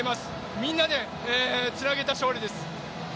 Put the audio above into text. みんなで、つなげた勝利です。